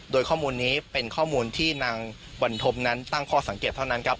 โดยข้อมูลนี้เป็นข้อมูลที่นางวันธมนั้นตั้งข้อสังเกตเท่านั้นครับ